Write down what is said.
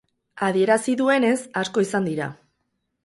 Adierazi duenez, asko izan dira.